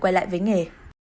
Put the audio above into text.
quay lại với nghề